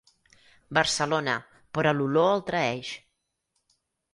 Barcelona, però l'olor el traeix.